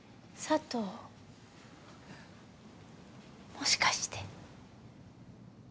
もしかして。